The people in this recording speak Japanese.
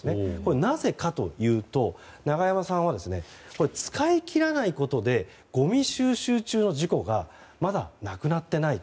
なぜかというと永山さんは使い切らないことでごみ収集中の事故がまだなくなってないと。